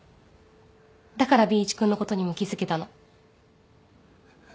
だからＢ一君のことにも気付けたの。